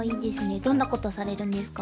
どんなことされるんですか？